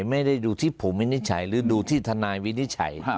ไม่ได้ดูที่ผมวินิจฉัยหรือดูที่ทนายวินิจฉัย